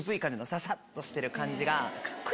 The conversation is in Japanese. ささっとしてる感じが。